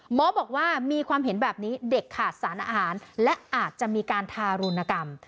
หมอบอกว่ามีความเห็นแบบนี้เด็กขาดสารอาหารและอาจจะมีการทารุณกรรม